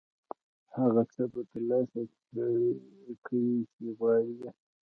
هغه څه به ترلاسه کړې چې غواړې یې.